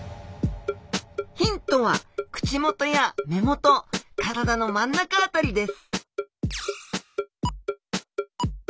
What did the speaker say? ヒントは口元や目元体の真ん中辺りです